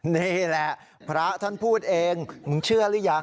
นี่แหละพระท่านพูดเองมึงเชื่อหรือยัง